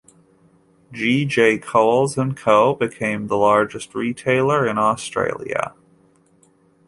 G. J. Coles and Co became the largest retailer in Australia.